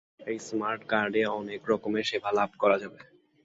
এই স্মার্ট কার্ডে অনেক রকমের সেবা লাভ করা যাবে।